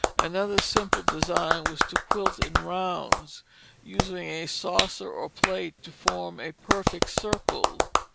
Another simple design was to quilt in rounds, using a saucer or plate to form a perfect circle.